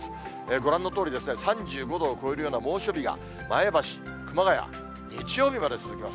ご覧のとおり、３５度を超えるような猛暑日が、前橋、熊谷、日曜日まで続きます。